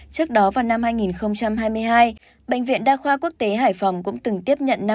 trước đó vào năm hai nghìn hai mươi hai bệnh viện đa khoa quốc tế hải phòng cũng từng tiếp nhận